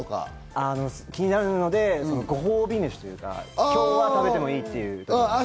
気になるので、ご褒美飯というか、今日は食べてもいいという。